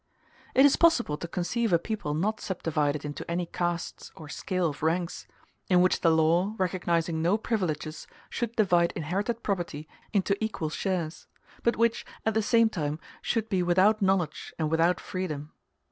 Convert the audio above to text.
It is possible to conceive a people not subdivided into any castes or scale of ranks; in which the law, recognizing no privileges, should divide inherited property into equal shares; but which, at the same time, should be without knowledge and without freedom.